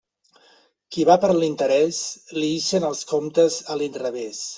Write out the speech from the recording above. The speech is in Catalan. Qui va per l'interés, li ixen els comptes a l'inrevés.